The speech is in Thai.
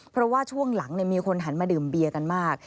เพราะว่าช่วงหลังมีคนหันมาดื่มเบียร์กันมาก